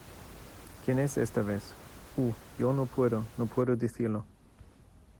¿ Quién es esta vez? Uh, yo no puedo no puedo decirlo.